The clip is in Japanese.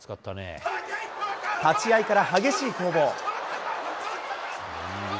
立ち合いから激しい攻防。